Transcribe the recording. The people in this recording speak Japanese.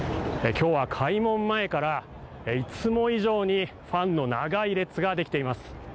今日は開門前からいつも以上にファンの長い列ができています。